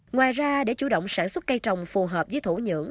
ngoài ra để chủ động sản xuất cây trồng phù hợp với thổ nhưỡng